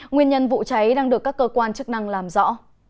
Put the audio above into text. nguyên nhân vụ cháy đang được các cơ quan chức năng làm rõ